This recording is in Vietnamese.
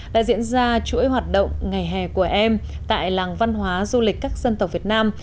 đã diễn ra chuỗi hoạt động ngày hè của em tại làng văn hóa du lịch các dân tộc việt nam